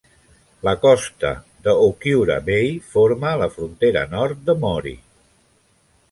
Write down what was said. La costa de Uchiura Bay forma la frontera nord de Mori.